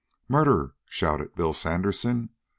"Murder!" shouted Bill Sandersen.